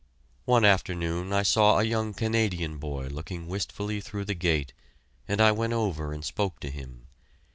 One afternoon I saw a young Canadian boy looking wistfully through the gate, and I went over and spoke to him.